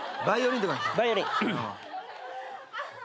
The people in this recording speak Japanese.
バイオリン。